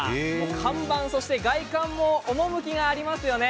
看板、そして外観も趣がありますよね。